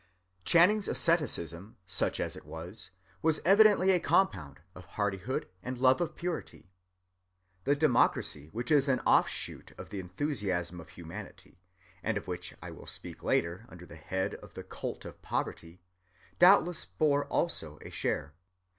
(176) Channing's asceticism, such as it was, was evidently a compound of hardihood and love of purity. The democracy which is an offshoot of the enthusiasm of humanity, and of which I will speak later under the head of the cult of poverty, doubtless bore also a share.